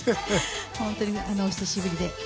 本当にお久しぶりで。